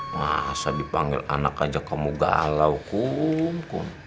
masa dipanggil anak aja kamu galau hukum